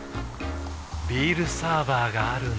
ビールサーバーがある夏。